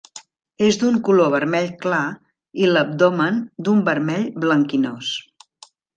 És d'un color vermell clar, i l'abdomen d'un vermell blanquinós.